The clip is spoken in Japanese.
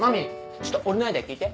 ちょっと俺のアイデア聞いて！